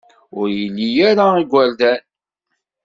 Ur ili ara igerdan.